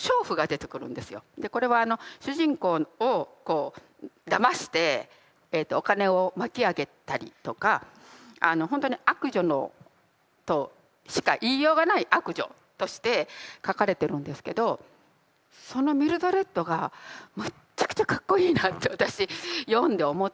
これは主人公をだましてお金を巻き上げたりとかほんとに悪女としか言いようがない悪女として書かれてるんですけどそのミルドレッドがむっちゃくちゃかっこいいなって私読んで思って。